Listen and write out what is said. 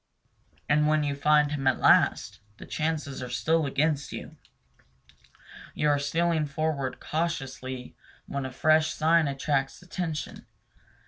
And when you find him at last, the chances are still against you. You are stealing forward cautiously when a fresh sign attracts attention.